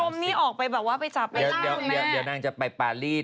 ที่ชมนี่ออกไปแบบว่าไปจับไปห้างคุณแม่เดี๋ยวนั่งจะไปปารี